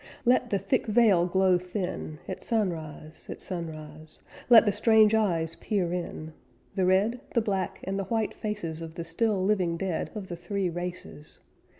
Let the thick veil glow thin, At sunrise at sunrise Let the strange eyes peer in, The red, the black, and the white faces Of the still living dead Of the three races.